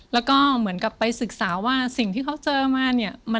แล้วก็เหมือนกับไปศึกษาว่าสิ่งที่เขาเจอมาเนี่ย